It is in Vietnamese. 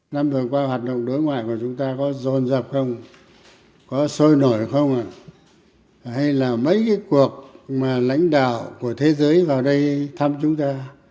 năm vừa qua hoạt động đối ngoại của chúng ta có rồn rập không có sôi nổi không hay là mấy cái cuộc mà lãnh đạo của thế giới vào đây thăm chúng ta